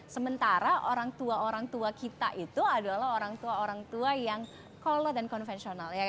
sementara orang tua orang tua kita itu adalah orang tua orang tua yang kola dan konvensional